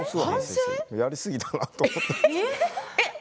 やりすぎかなと思って。